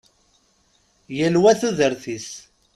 Yal wa tudert-is.